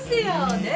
ねえ？